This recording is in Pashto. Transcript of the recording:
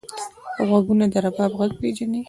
غوږونه د رباب غږ پېژني